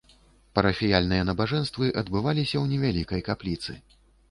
Парафіяльныя набажэнствы адбываліся ў невялікай капліцы.